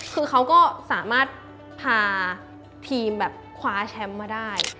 คือเขาก็สามารถพาทีมแบบคว้าแชมป์มาได้